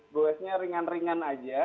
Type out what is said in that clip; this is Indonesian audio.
goyesnya ringan ringan aja